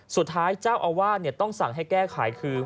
สุดท้ายเจ้าอาวาสต้องสั่งให้แก้ไขคือ